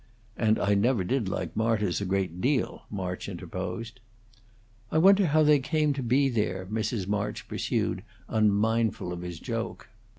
"And I never did like martyrs a great deal," March interposed. "I wonder how they came to be there," Mrs. March pursued, unmindful of his joke.